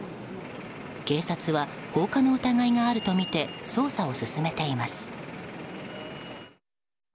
警察は、放火の疑いがあるとみて捜査を進めています。